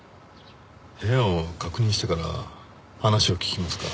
部屋を確認してから話を聞きますか。